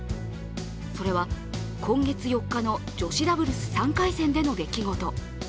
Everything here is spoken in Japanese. それは今月４日の女子ダブルス３回戦での出来事。